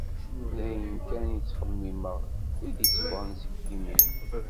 D ayen kan i ttxemmimeɣ i d-itteffɣen seg yimi-w.